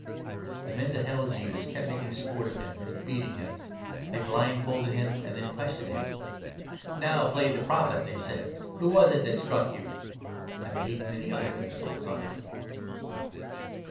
The men that held Jesus kept making sport of him and 63 beating him. They blindfolded him and then questioned 64 him. "Now play the Prophet," they said; "who was it that struck you ?" And they heaped many other insults on him.